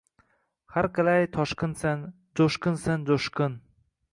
Har qalay toshqinsan, jo’shqinsan-jo’shqin